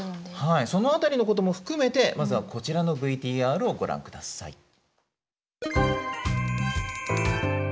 その辺りのことも含めてまずはこちらのＶＴＲをご覧ください。